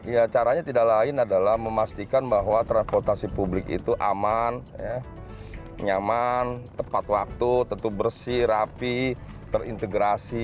ya caranya tidak lain adalah memastikan bahwa transportasi publik itu aman nyaman tepat waktu tentu bersih rapi terintegrasi